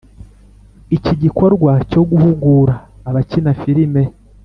iki gikorwa cyo guhugura abakina filime